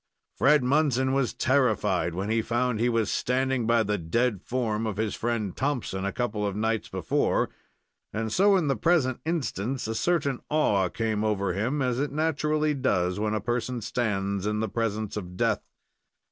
Fred Munson was terrified when he found he was standing by the dead form of his friend Thompson, a couple of nights before, and so, in the present instance, a certain awe came over him, as it naturally does when a person stands in the presence of death.